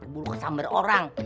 buruk samber orang